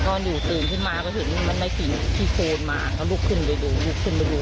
ก็หนูตื่นที่มาก็ฉันไม่ที่โค้นมาแล้วลุกขึ้นไปดูลุกขึ้นไปดู